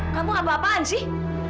kamu apa apaan sih